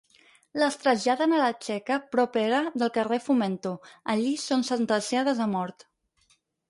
Les traslladen a la txeca propera del carrer Fomento; allí són sentenciades a mort.